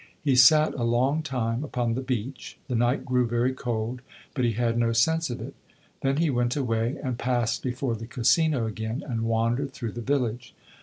He sat a long time upon the beach; the night grew very cold, but he had no sense of it. Then he went away and passed before the Casino again, and wandered through the village.